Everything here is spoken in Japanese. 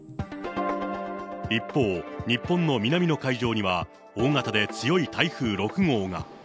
一方、日本の南の海上には、大型で強い台風６号が。